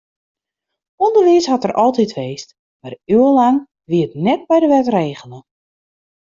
Underwiis hat der altyd west, mar iuwenlang wie it net by de wet regele.